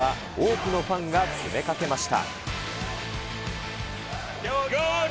現地には多くのファンが詰めかけました。